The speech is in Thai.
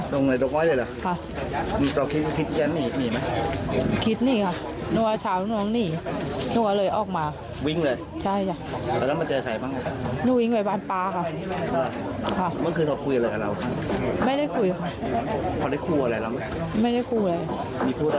โดนวาเช้าโดนวังหนีโดนมาคืนก็ลองแหละไงปีน